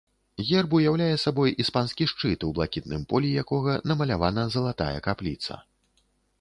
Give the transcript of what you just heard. Герб уяўляе сабой іспанскі шчыт, у блакітным полі якога намалявана залатая капліца.